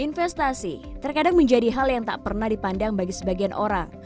investasi terkadang menjadi hal yang tak pernah dipandang bagi sebagian orang